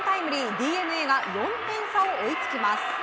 ＤｅＮＡが４点差を追いつきます。